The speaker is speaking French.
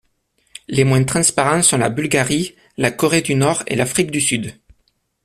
Les moins transparents sont la Bulgarie, la Corée du Nord et l’Afrique du Sud.